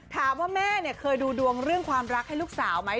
ถามว่าแม่เคยดูดวงเรื่องความรักให้ลูกสาวไหม